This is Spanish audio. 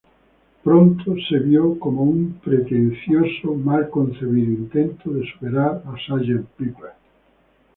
Pronto fue visto como un pretencioso, mal concebido intento de superar a "Sgt.